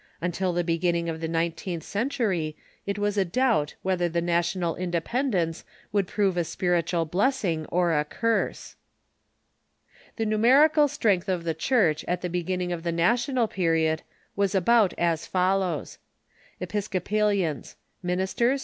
Until the beginning of the nineteenth century it was a doubt wheth er the national independence would prove a spiritual blessing or a curse. THE CHURCH AT THE FOUNDING OF THE REPUBLIC 497 The numerical strength of" the Church at the beginning of the National Period was about as follows : Ministers.